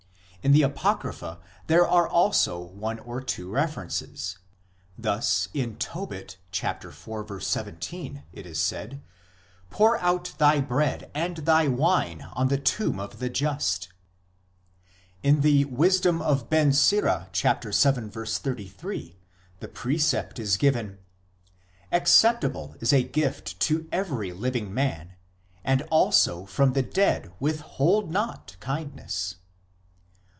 In the Apocrypha there are also one or two references ; thus, in Tobit iv. 17 it is said :" Pour out thy bread and thy wine on the tomb of the just "; in the Wisdom of Ben Sira vii. 33 the precept is given* " Acceptable is a gift to every living man, and also from the dead withhold not kindness."